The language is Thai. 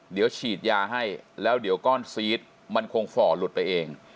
เดี๋ยวฉีดยาให้แล้วเดี๋ยวก้อนซีสมันคงฝ่อหลุดไปเอง